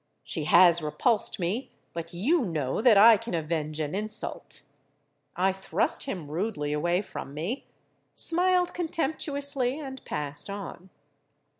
She has repulsed me—but you know that I can avenge an insult!'—I thrust him rudely away from me, smiled contemptuously, and passed on.